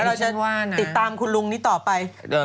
เราจะติดตามคุณลุงนี้ต่อไป